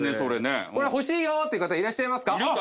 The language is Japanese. これ欲しいよっていう方いらっしゃいますか？